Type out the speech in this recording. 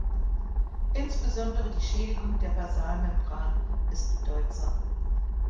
Insbesondere die Schädigung der Basalmembran ist bedeutsam.